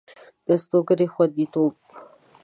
د استوګنې خوندیتوب